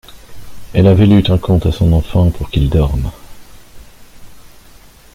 Elle avait lu un conte à son enfant pour qu’il dorme.